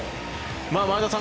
前田さん